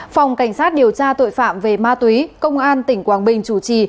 phòng cảnh sát điều tra tội phạm về ma túy công an tỉnh quảng bình chủ trì